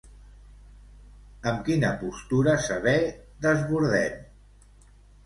Amb quina postura s'avé Desbordem?